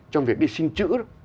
trong việc đi xin chữ